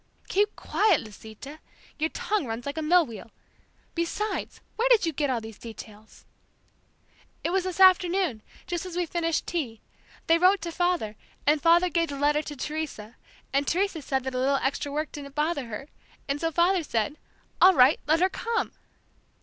"Keep quiet, Lisita. Your tongue runs like a mill wheel. Besides, where did you get all these details?" "It was this afternoon, just as we finished tea. They wrote to father, and father gave the letter to Teresa, and Teresa said that a little extra work didn't bother her, and so father said, 'All right, let her come!'"